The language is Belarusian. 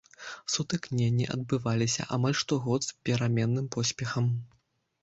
Сутыкненні адбываліся амаль штогод з пераменным поспехам.